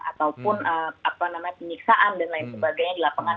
ataupun penyiksaan dan lain sebagainya di lapangan